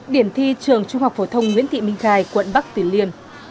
điểm thi trường trung học phổ thông nguyễn thị minh khai quận bắc tuyền liên